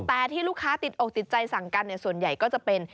แต่ที่ลูกค้าติดอกติดใจสั่งกันส่วนใหญ่ก็จะเป็น